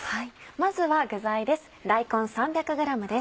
まずは具材です。